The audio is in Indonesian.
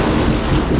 ayo kita berdua